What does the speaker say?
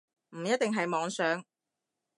唔一定係妄想